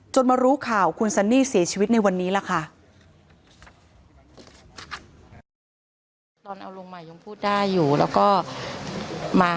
มารู้ข่าวคุณซันนี่เสียชีวิตในวันนี้ล่ะค่ะ